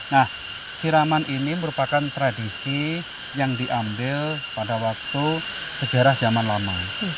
nah siraman ini merupakan tradisi yang diambil pada waktu sejarah zaman lama